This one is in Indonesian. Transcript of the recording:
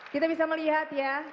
kita bisa melihat ya